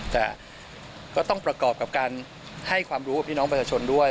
แต่ก็ต้องประกอบกับการให้ความรู้กับพี่น้องประชาชนด้วย